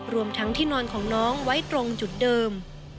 รวมทั้งที่นอนของน้องไว้ตรงจุดเดิม